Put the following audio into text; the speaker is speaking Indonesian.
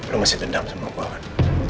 lo masih dendam sama gue kan